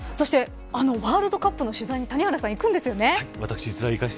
ワールドカップの取材に谷原さん行くんですよね。